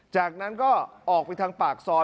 จากนั้นก็ออกไปทางปากซอย